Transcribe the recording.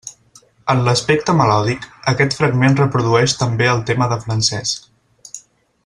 En l'aspecte melòdic, aquest fragment reprodueix també el tema de Francesc.